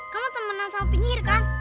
kamu temenan sama penyihir kan